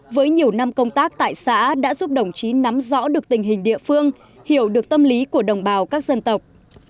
với nhiều năm công tác tại xã đã giúp đồng chí nắm rõ được tình hình địa phương hiểu được tâm lý của đồng bào các dân tộc